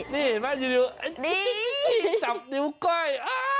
นี่จับนิ้วก้อย